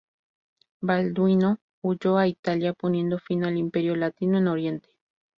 Balduino huyó a Italia, poniendo fin al Imperio Latino en Oriente.